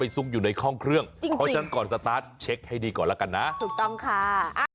ถูกต้องค่ะ